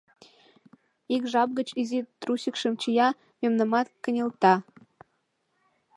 Ик жап гыч изи трусикшым чия, мемнамат кынелта.